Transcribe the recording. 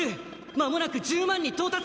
間もなく１０万に到達！